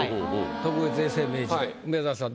特別永世名人梅沢さん